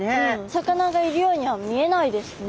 魚がいるようには見えないですね。